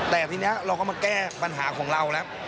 แต่ทีนี้เราก็มาแก้ปัญหาของเราแล้ว